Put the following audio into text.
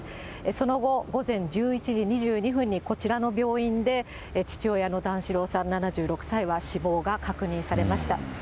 その後、午前１１時２２分に、こちらの病院で父親の段四郎さん７６歳は死亡が確認されました。